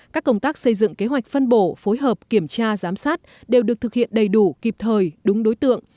các công tác xây dựng kế hoạch phân bổ phối hợp kiểm tra giám sát đều được thực hiện đầy đủ kịp thời đúng đối tượng